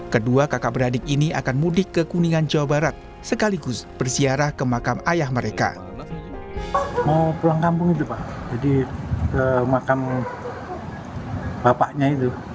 kedua kakak beradik ini akan mudik ke kuningan jawa barat sekaligus berziarah ke makam ayah mereka